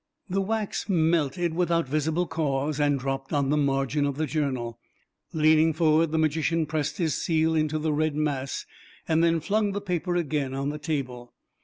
The wax melted without visible cause, and dropped on the margin of the journal. Leaning forward, the magician pressed his seal into the red mass, and then flung the paper again on the table.